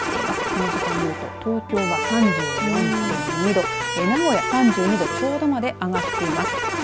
この時間でいうと東京は３４．２度、名古屋３２度ちょうどまで上がっています。